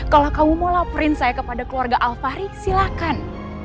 kalau kamu mau laporin saya kepada keluarga alfahri silakan